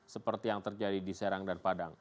seperti yang terjadi di serang dan padang